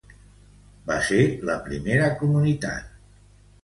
Va ser la primera comunitat.